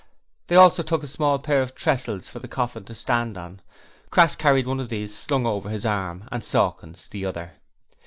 They also took a small pair of tressels for the coffin to stand on. Crass carried one of these slung over his arm and Sawkins the other.